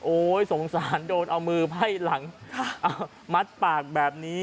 โอ๊ยสงสารโดนเอามือไผ่หลังมัดปากแบบนี้